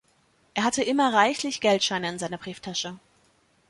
Er hatte immer reichlich Geldscheine in seiner Brieftasche.